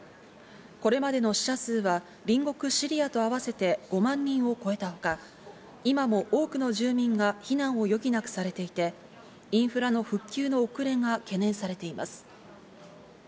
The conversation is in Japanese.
これまでの死者数は隣国シリアと合わせて５万人を超えたほか、今も多くの住民が避難を余儀なくされていて、インフラの復旧の遅れが懸念されています。